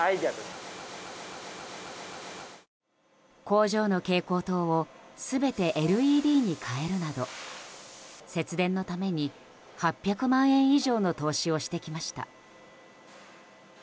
工場の蛍光灯を全てＬＥＤに変えるなど節電のために８００万円以上の投資をしてきました。